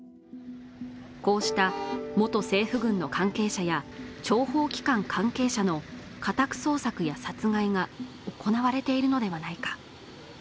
こうした元政府軍の関係者や諜報機関関係者の家宅捜索や殺害が行われているのではないか。